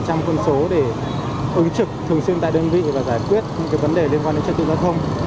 một trăm linh quân số để ứng trực thường xuyên tại đơn vị và giải quyết những vấn đề liên quan đến trật tự giao thông